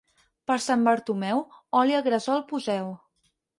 Per Sant Bartomeu, oli al gresol poseu.